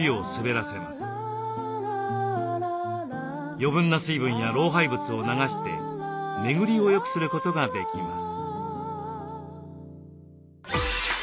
余分な水分や老廃物を流して巡りをよくすることができます。